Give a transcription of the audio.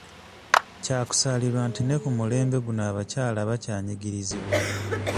Kya kusaalirwa nti ne ku mulembe guno abakyala bakyanyigirizibwa.